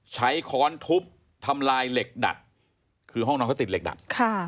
ค้อนทุบทำลายเหล็กดัดคือห้องนอนเขาติดเหล็กดัด